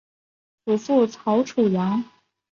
祖父曹楚阳。